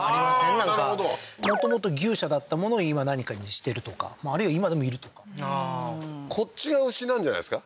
なんかああーなるほどもともと牛舎だったものを今何かにしてるとかあるいは今でもいるとかああーこっちが牛なんじゃないですか？